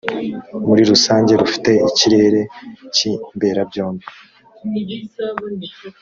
muri rusange rufite ikirere cy imberabyombi